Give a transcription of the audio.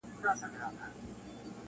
هغه زلمو او بوډاګانو ته منلی چنار-